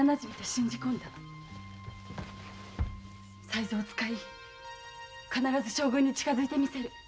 才三を使い必ず将軍に近づいてみせる。